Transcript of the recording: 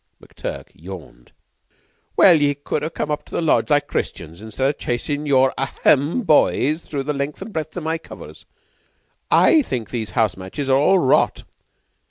McTurk yawned. "Well, ye should ha' come up to the lodge like Christians instead o' chasin' your a hem boys through the length an' breadth of my covers. I think these house matches are all rot.